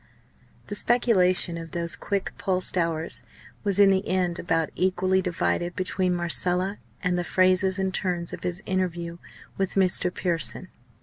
The speculation of those quick pulsed hours was in the end about equally divided between Marcella and the phrases and turns of his interview with Mr. Pearson.